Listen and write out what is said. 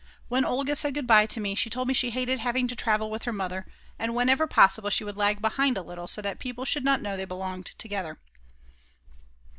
When Olga said goodbye to me she told me she hated having to travel with her mother and whenever possible she would lag behind a little so that people should not know they belonged together.